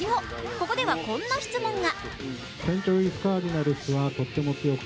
ここでは、こんな質問が。